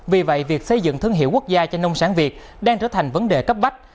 vì vậy việc xây dựng thương hiệu quốc gia cho nông sản việt đang trở thành vấn đề cấp bách